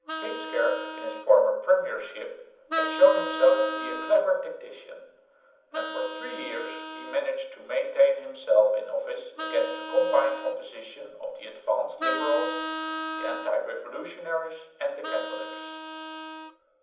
Heemskerk in his former premiership had shown himself to be a clever tactician, and for three years he managed to maintain himself in office against the combined opposition of the advanced liberals, the anti revolutionaries and the Catholics.